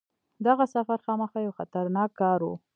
دغه سفر خامخا یو خطرناک کار وو.